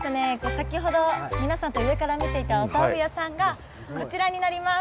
先ほど皆さんと上から見ていたお豆腐屋さんがこちらになります。